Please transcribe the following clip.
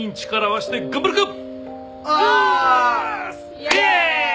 イェーイ！